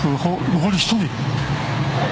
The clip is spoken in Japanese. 残り１人。